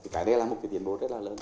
cái đây là một cái tiền bốn